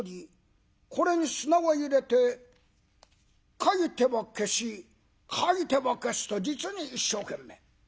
これに砂を入れて書いては消し書いては消しと実に一生懸命。